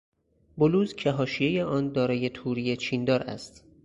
بلوز که حاشیهی آن دارای توری چیندار است